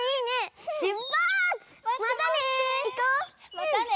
またね！